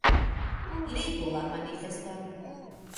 Legu la manifeston.